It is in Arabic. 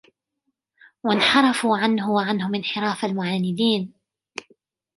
وَانْحَرَفُوا عَنْهُ وَعَنْهُمْ انْحِرَافَ الْمُعَانِدِينَ